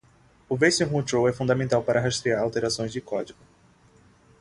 O Version Control é fundamental para rastrear alterações de código.